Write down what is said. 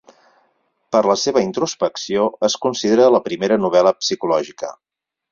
Per la seva introspecció, es considera la primera novel·la psicològica.